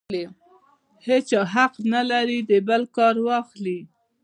هېچا حق نه لري د بل کار واخلي.